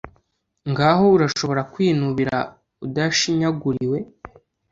ngaho, urashobora kwinubira udashinyaguriwe